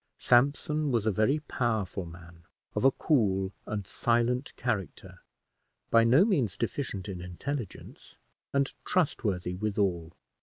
Sampson was a very powerful man, of a cool and silent character, by no means deficient in intelligence, and trustworthy withal.